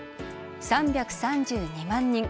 ３３２万人。